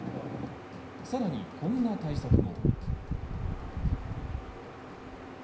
さらにこんな対策も。